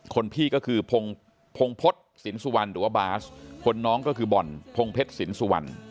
คนพี่ก็คือพงพฤษสินสุวรรณหรือว่าบาสคนน้องก็คือบ่อนพงเพชรสินสุวรรณ